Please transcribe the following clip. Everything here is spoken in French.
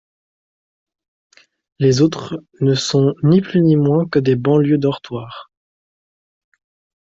Les autres ne sont ni plus ni moins que des banlieues dortoir.